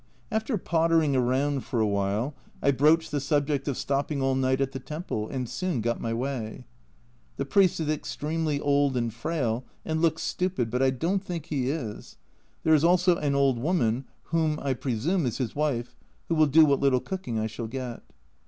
After pottering around for a while, I broached the subject of stopping all night at the temple, and soon got my way. The priest is extremely old and frail, and looks stupid, but I don't think he is ; there is also an old woman, whom I presume is his wife, who will do what little cooking I shall get.